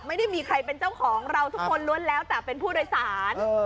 ไม่ได้มีใครเป็นเจ้าของเราทุกคนล้วนแล้วแต่เป็นผู้โดยสาร